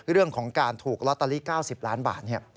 เรื่องของการถูกลอตเตอรี่๙๐ล้านบาท